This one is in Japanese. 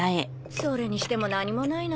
それにしても何もないなあ。